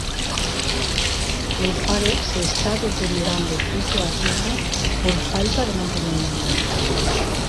El faro se está deteriorando poco a poco por la falta de mantenimiento.